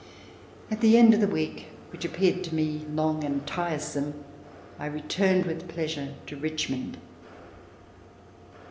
At the end of the week, which appeared to me long and tiresome, I returned with pleasure to Richmond.